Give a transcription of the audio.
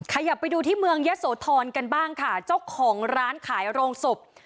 ขยับไปดูที่เมืองยะโสธรกันบ้างค่ะเจ้าของร้านขายโรงศพ